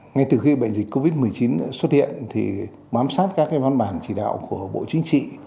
ngay từ khi bệnh dịch covid một mươi chín xuất hiện thì bám sát các văn bản chỉ đạo của bộ chính trị